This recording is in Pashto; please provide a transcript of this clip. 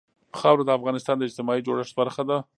خاوره د افغانستان د اجتماعي جوړښت برخه ده.